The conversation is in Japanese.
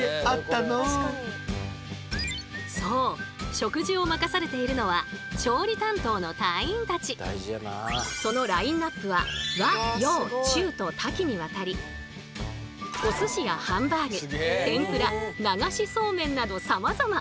食事を任されているのは調理担当の隊員たち。と多岐にわたりお寿司やハンバーグ天ぷら流しそうめんなどさまざま。